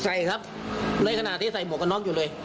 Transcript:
ใช่ครับเลยขนาดที่ใส่หมวกกันน็อคอยู่เลย